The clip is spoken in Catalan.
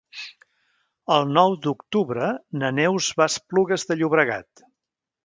El nou d'octubre na Neus va a Esplugues de Llobregat.